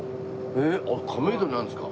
えっあっ亀戸にあるんですか？